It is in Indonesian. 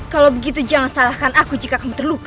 kalau begitu jangan salahkan aku jika kamu terluka